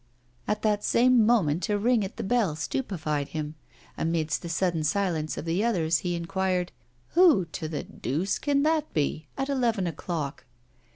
At that same moment a ring at the bell stupefied him. Amidst the sudden silence of the others, he inquired 'Who, to the deuce, can that be at eleven o'clock?